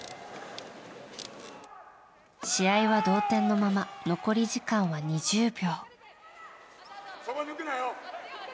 試合は同点のまま残り時間は２０秒。